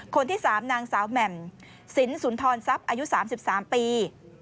คนที่สามนางสาวแหม่มศิลป์ศูนย์ธรรมทรัพย์อายุ๓๓ปี